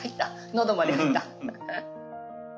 喉まで入った。